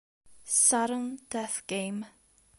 Sudden Death Game